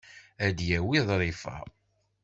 Ad d-yawi ḍrifa.